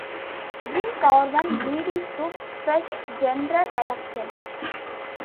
Singh government, leading to fresh general elections.